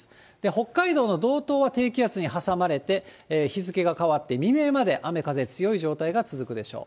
北海道の道東は低気圧に挟まれて、日付けが変わって、未明まで雨風強い状態が続くでしょう。